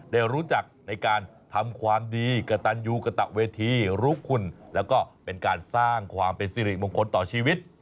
ได้รู้จักในการทำความดีกระตันยูกระตะเวทีรู้คุณแล้วก็เป็นการสร้างความเป็นสิริมงคลต่อชีวิต